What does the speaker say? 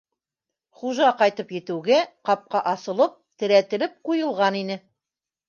Хужа ҡайтып етеүгә ҡапҡа асылып, терәтелеп ҡуйылған ине.